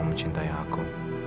kamu cintai aku